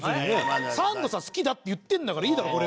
サンドさん好きだって言ってんだからいいだろ。